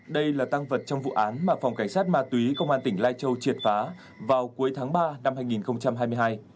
đây là tăng vật trong vụ án mà phòng cảnh sát ma túy công an tỉnh lai châu triệt phá vào cuối tháng ba năm hai nghìn hai mươi hai